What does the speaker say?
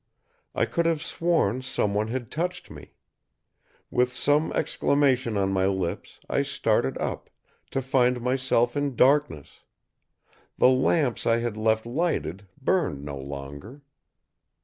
I could have sworn someone had touched me. With some exclamation on my lips, I started up; to find myself in darkness. The lamps I had left lighted burned no longer.